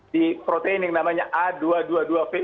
di protein yang namanya a dua dua dua v